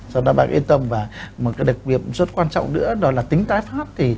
cho nên bạn yên tâm và một cái việc rất quan trọng nữa đó là tính tái pháp